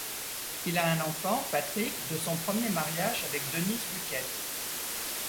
Il a un enfant, Patrick de son premier mariage avec Denise Duquette.